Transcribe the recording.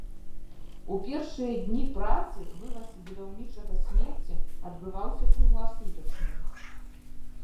У першыя дні працаў вываз будаўнічага смецця адбываўся кругласутачна.